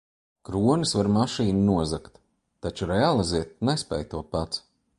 Kronis var mašīnu nozagt, taču realizēt nespēj to pats.